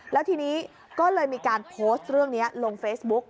แล้วทีนี้ก็เลยมีการโพสต์เรื่องนี้ลงเฟซบุ๊ก